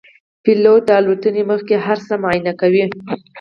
پیلوټ د الوتنې مخکې هر څه معاینه کوي.